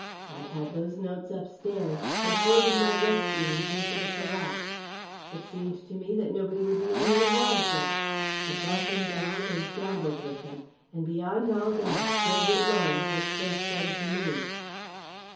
I had those notes upstairs; they formed my rescue in case of a collapse. It seemed to me that nobody would be any the wiser. I brought them down, and gambled with them. And beyond all doubt, Gilbert Lawrence has traced them to me."